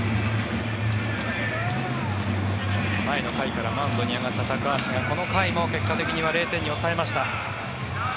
前の回からマウンドに上がった高橋がこの回も結果的には０点に抑えました。